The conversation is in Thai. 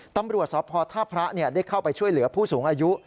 ตำรวจสพท่าพระได้เข้าไปช่วยเหลือผู้สูงอายุ